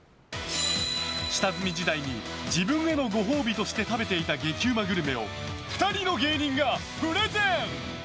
下積み時代に自分へのご褒美として食べていた激うまグルメを２人の芸人がプレゼン。